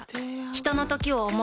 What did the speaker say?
ひとのときを、想う。